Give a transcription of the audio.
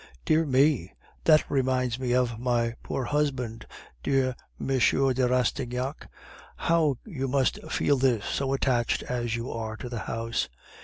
"'Dear me! That reminds me of my poor husband! Dear M. de Rastignac, how you must feel this, so attached as you are to the house!